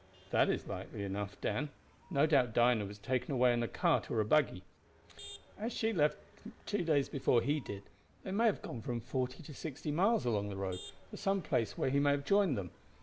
"That is likely enough, Dan. No doubt Dinah was taken away in a cart or buggy. As she left two days before he did, they may have gone from forty to sixty miles along the road, to some place where he may have joined them.